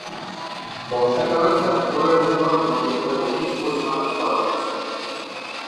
বর্ষাকালে চাঁদপুরের নিকট নদীতে অধিক পরিমাণে ধরা পড়ে।